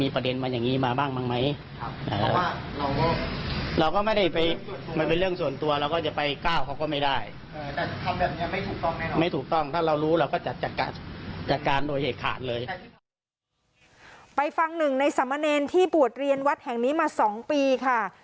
ไปหนึ่งในสามเณรที่บวชเรียนวัดแห่งนี้มา๒ปีค่ะ